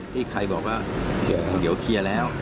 ที่ใครบอกว่าเดี๋ยวเคลียร์แล้ว